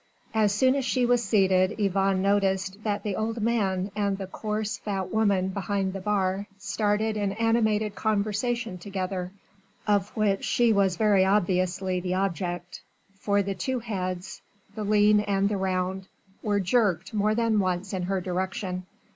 As soon as she was seated Yvonne noticed that the old man and the coarse, fat woman behind the bar started an animated conversation together, of which she was very obviously the object, for the two heads the lean and the round were jerked more than once in her direction.